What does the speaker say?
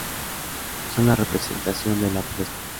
Son la representación de la pureza.